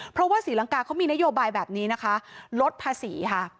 เพราะว่าศรีลังกาเขามีนโยบายแบบนี้นะคะลดภาษีค่ะ